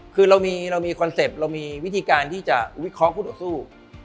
คือเรามีคอนเซ็ปต์เรามีวิธีการที่จะวิเคราะห์ผู้ต่อสู้